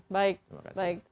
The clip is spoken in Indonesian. baik terima kasih